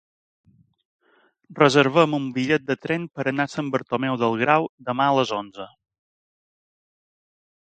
Reserva'm un bitllet de tren per anar a Sant Bartomeu del Grau demà a les onze.